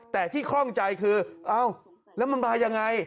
แต่ที่คล่องใจคือเอ้าแล้วมันมายังไง